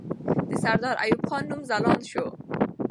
د سردار ایوب خان نوم ځلانده سو.